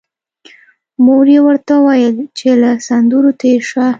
مور یې ورته ویل چې له سندرو تېر شه